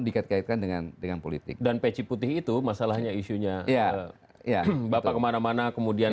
dikaitkan dengan dengan politik dan peci putih itu masalahnya isunya bapak kemana mana kemudian